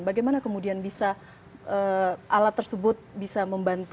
bagaimana kemudian bisa alat tersebut bisa membantu